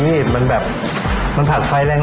นี่มันแบบมันผลัดไฟแรง